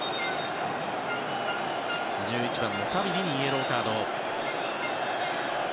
１１番のサビリにイエローカード。